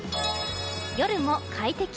夜も快適。